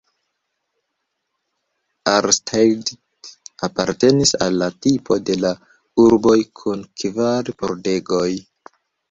Arnstadt apartenis al la tipo de la urboj kun kvar pordegoj.